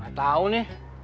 gak tau nih